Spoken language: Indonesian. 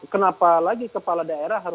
kenapa lagi kepala daerah